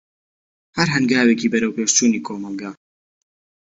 هەر هەنگاوێکی بەروەپێشی چوونی کۆمەلگا.